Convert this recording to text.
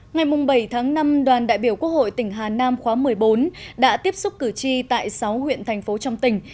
ngày bảy tháng năm đoàn đại biểu quốc hội tỉnh hà nam khóa một mươi bốn đã tiếp xúc cử tri tại sáu huyện thành phố trong tỉnh